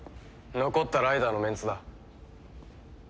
残ったライダーのメンツだ。